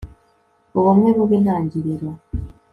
ubumwe bube intangiliro